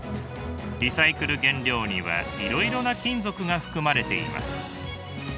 リサイクル原料にはいろいろな金属が含まれています。